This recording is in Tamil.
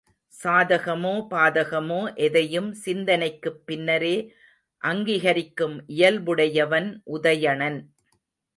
சாதகமோ, பாதகமோ எதையும் சிந்தனைக்குப் பின்னரே அங்கிகரிக்கும் இயல்புடையவன் உதயணன்.